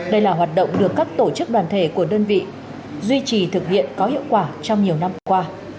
đây là hoạt động được các tổ chức đoàn thể của đơn vị duy trì thực hiện có hiệu quả trong nhiều năm qua